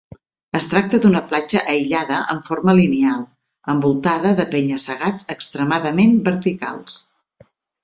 Es tracta d'una platja aïllada en forma lineal, envoltada de penya-segats extremadament verticals.